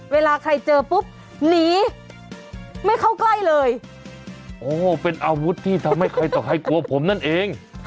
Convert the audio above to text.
เวลาใครเจอปุ๊บหนีไม่เข้าใกล้เลยโอ้เป็นอาวุธที่ทำให้ใครต่อใครกลัวผมนั่นเอง